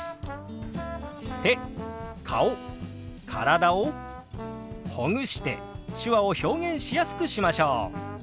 手顔体をほぐして手話を表現しやすくしましょう！